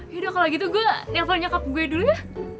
yaudah kalo gitu gue telfon nyokap gue dulu ya